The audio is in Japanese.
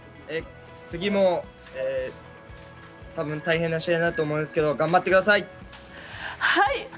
次も大変な試合になると思うんですけど頑張ってください！